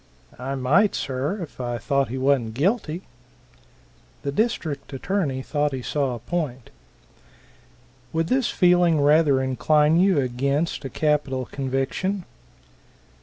"I might, sir, if I thought he wan't guilty." The district attorney thought he saw a point. "Would this feeling rather incline you against a capital conviction?"